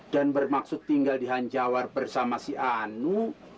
dan bermaksud tinggal di hanjawar bersama si anu